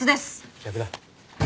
逆だ。